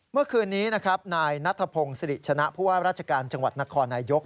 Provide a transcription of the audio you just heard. เมื่อคืนนี้นะครับนายนัทพงศิริชนะผู้ว่าราชการจังหวัดนครนายก